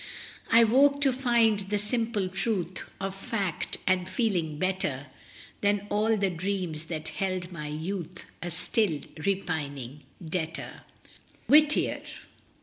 I woke to find the simple truth Of fact, and feeling better Than all the dreams that held my youth A still repining debtor. Whittier.